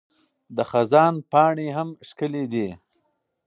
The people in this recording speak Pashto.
د خزان پاڼې هم ښکلي دي.